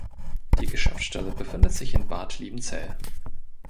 Die Geschäftsstelle befindet sich in Bad Liebenzell.